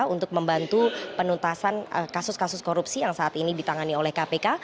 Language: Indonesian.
untuk membantu penuntasan kasus kasus korupsi yang saat ini ditangani oleh kpk